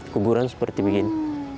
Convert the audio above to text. kuburan seperti begini